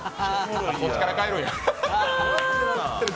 こっちから帰るんや。